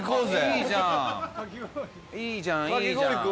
いいじゃんいいじゃんかき氷。